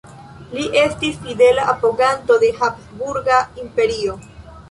Li estis fidela apoganto de habsburga Imperio.